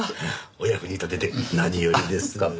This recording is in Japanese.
お役に立てて何よりです。